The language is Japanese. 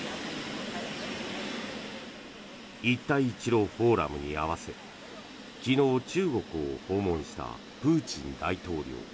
一帯一路フォーラムに合わせ昨日、中国を訪問したプーチン大統領。